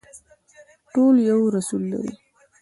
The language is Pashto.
ټول یو رسول لري